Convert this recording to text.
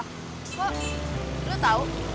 kok lu tau